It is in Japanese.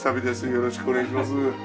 よろしくお願いします。